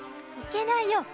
いけないよ。